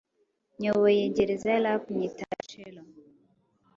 Nyoboye gereza ya Rap nyita Rochello